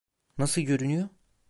Nasıl görünüyor?